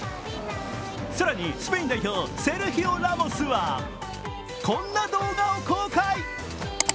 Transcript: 更に、スペイン代表、セルヒオ・ラモスは、こんな動画を公開。